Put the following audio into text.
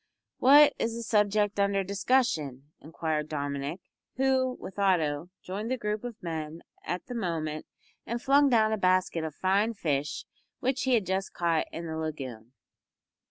"What is the subject under discussion?" inquired Dominick, who, with Otto, joined the group of men at the moment and flung down a basket of fine fish which he had just caught in the lagoon.